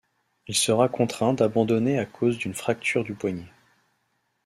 Il sera contraint d’abandonner à cause d’une fracture du poignée.